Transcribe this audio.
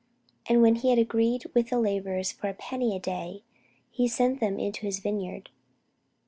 And when he had agreed with the labourers for a penny a day, he sent them into his vineyard.